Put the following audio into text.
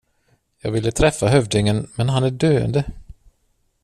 Jag ville träffa hövdingen men han är döende.